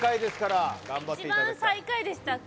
１番最下位でしたっけ。